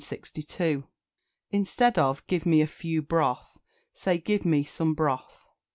Instead of "Give me a few broth," say "Give me some broth."